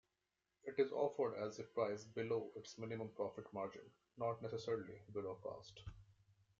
It is offered at a price below its minimum profit margin-not necessarily below cost.